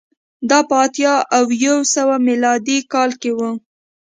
دا په اتیا او یو سوه میلادي کال کې و